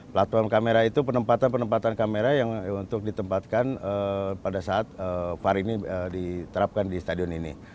platform kamera itu penempatan penempatan kamera yang untuk ditempatkan pada saat var ini diterapkan di stadion ini